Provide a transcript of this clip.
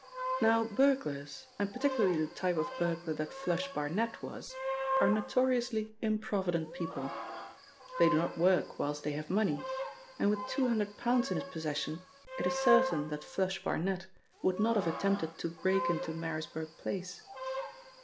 Now burglars, and particularly the type of burglar that 'Flush' Barnet was, are notoriously improvident people. They do not work whilst they have money, and with two hundred pounds in his possession, it is certain that 'Flush' Barnet would not have attempted to break into Marisburg Place.